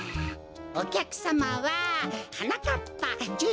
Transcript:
おきゃくさまははなかっぱじゅう